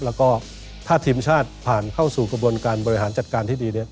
แล้วก็ถ้าทีมชาติผ่านเข้าสู่กระบวนการบริหารจัดการที่ดีเนี่ย